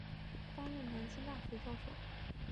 担任南京大学教授。